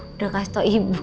udah kasih tau ibu